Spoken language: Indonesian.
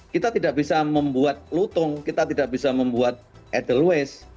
kita tidak bisa membuat lutung kita tidak bisa membuat edelweiss